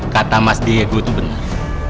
kata mas diego itu benar